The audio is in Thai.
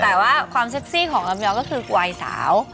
แต่ว่าความเซ็กซี่ของลำยองก็คือกวายสาว